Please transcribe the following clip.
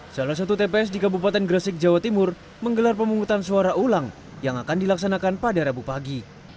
salah satu tps di kabupaten gresik jawa timur menggelar pemungutan suara ulang yang akan dilaksanakan pada rabu pagi